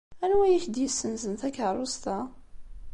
Anwa ay ak-d-yessenzen takeṛṛust-a?